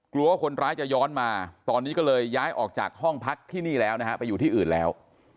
กลัวว่าคนร้ายจะย้อนมาตอนนี้ก็เลยย้ายออกจากห้องพักที่นี่แล้วนะฮะไปอยู่ที่อื่นแล้ว